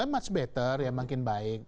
much better makin baik